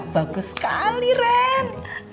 bagus sekali ren